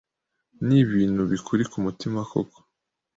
ni ibintu bikuri ku mutima koko